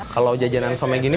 kalau jajanan somai gini